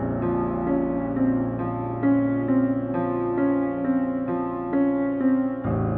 gak usah kita berdua berdua